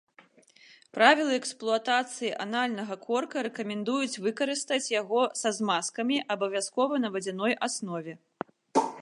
Правілы эксплуатацыі анальнага корка рэкамендуюць выкарыстаць яго з змазкамі, абавязкова на вадзяной аснове.